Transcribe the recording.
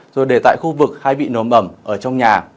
rồi để tại khu vực hay bị nổ mẩm ở trong nhà